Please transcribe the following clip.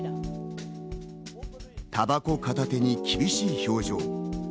タバコ片手に厳しい表情。